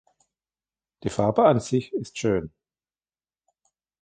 Die Farbe an sich ist schön.